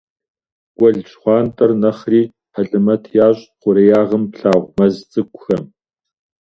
Гуэл ЩхъуантӀэр нэхъри хьэлэмэт ящӀ хъуреягъым плъагъу мэз цӀыкӀухэм.